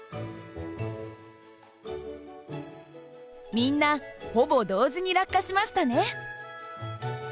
みんなほぼ同時に落下しましたね。